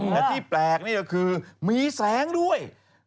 แต่ที่แปลกนี่ก็คือมีแสงด้วย